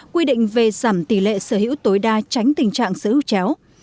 quy định về giảm tỷ lệ sở hữu tối đa tránh tình trạng sở hữu chéo